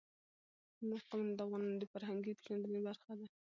قومونه د افغانانو د فرهنګي پیژندنې برخه ده.